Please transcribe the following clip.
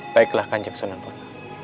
baiklah kang jaksunampun